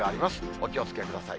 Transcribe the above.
お気をつけください。